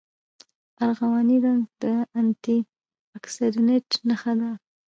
ارغواني رنګ د انټي اکسیډنټ نښه ده.